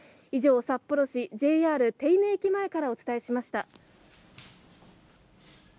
以上、札幌市、ＪＲ手稲駅前からお伝えしました。